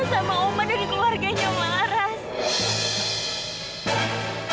sama oma dari keluarganya omalaras